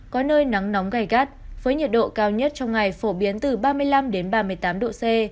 có nơi nắng nóng gai gắt với nhiệt độ cao nhất trong ngày phổ biến từ ba mươi năm ba mươi tám độ c